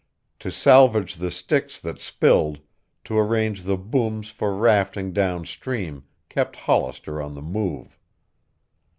To salvage the sticks that spilled, to arrange the booms for rafting down stream, kept Hollister on the move.